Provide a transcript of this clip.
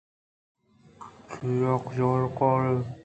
چہ کجا کارئے ؟